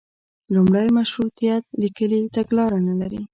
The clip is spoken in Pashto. لومړی مشروطیت لیکلي تګلاره نه لري.